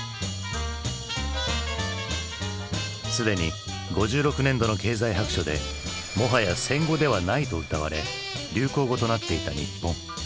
すでに５６年度の経済白書で「もはや戦後ではない」とうたわれ流行語となっていた日本。